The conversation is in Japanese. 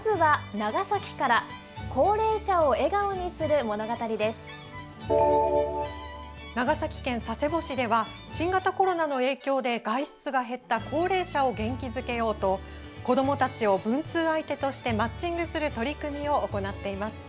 長崎県佐世保市では新型コロナの影響で外出が減った高齢者を元気づけようと子どもたちを文通相手としてマッチングする取り組みを行っています。